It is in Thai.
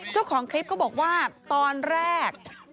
เจ้าของคลิปก็บอกว่าตอนแรก